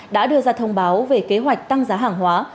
đã đưa ra thông báo về kế hoạch tăng giá hàng hóa